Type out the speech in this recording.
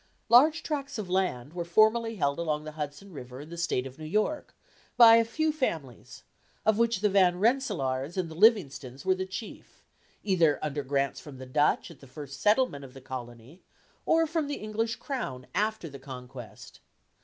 Large tracts of land were formerly held along the Hudson river in the State of New York, by a few families, of which the Van Rensselaers and the Livingstons were the chief, either under grants from the Dutch at the first settlement of the colony, or from the English Crown after the conquest.